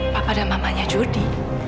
papa dan mamanya jody